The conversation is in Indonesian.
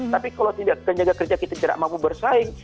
tapi kalau tenaga kerja kita tidak mampu bersaing